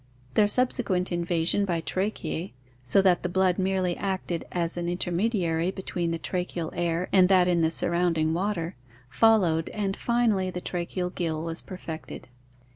Their subsequent invasion by tracheae, so that the blood merely acted as an intermediary between the tracheal air and that in the surround ing water, followed and finally the tracheal gill was perfected.